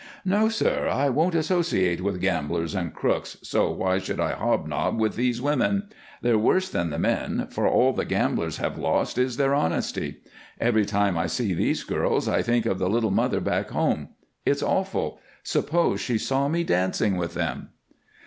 "No, sir; I won't associate with gamblers and crooks, so why should I hobnob with these women? They're worse than the men, for all the gamblers have lost is their honesty. Every time I see these girls I think of the little mother back home. It's awful. Suppose she saw me dancing with them?"